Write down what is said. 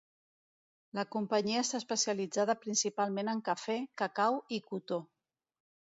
La companyia està especialitzada principalment en cafè, cacau i cotó.